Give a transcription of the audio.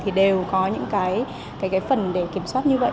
thì đều có những cái phần để kiểm soát như vậy